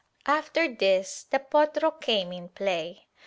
After this the potro came in play.